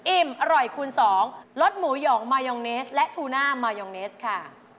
อิ่มอร่อยคูณ๒รสหมูหยองมายองเนสและทูน่ามายองเนสค่ะ